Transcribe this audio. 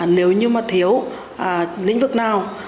nếu như mà thiếu lĩnh vực nào